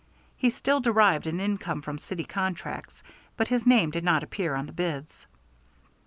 He still derived an income from city contracts, but his name did not appear on the bids.